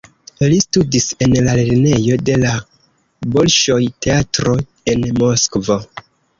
Li studis en la lernejo de la Bolŝoj-Teatro en Moskvo.